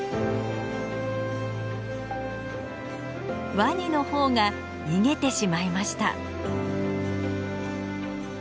ワニのほうが逃げてしまいました。